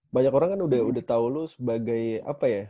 banyak orang kan udah tau lu sebagai apa ya